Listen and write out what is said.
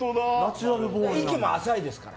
息も浅いですから。